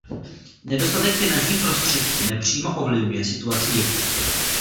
Nedostatek finančních prostředků nepřímo ovlivňuje situaci dětí.